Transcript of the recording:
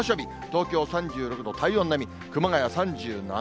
東京３６度、体温並み、熊谷３７